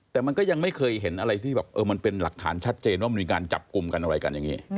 แต่มันก็ยังไม่เคยเห็นอะไรที่แบบมันเป็นหลักฐานชัดเจนว่ามันมีการจับกลุ่มกันอะไรกันอย่างนี้